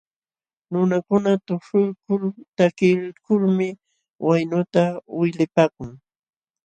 Nunakuna tuśhuykul takiykulmi waynuta uylipaakun.